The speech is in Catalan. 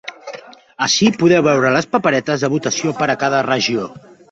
Ací podeu veure les paperetes de votació per a cada regió.